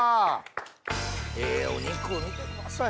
ええお肉見てください